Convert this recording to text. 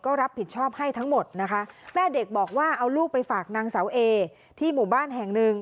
ก็รับผิดชอบให้ทั้งหมดนะคะแม่เด็กบอกว่าเอาลูกไปฝากนางเสาเอที่หมู่บ้านแห่งหนึ่ง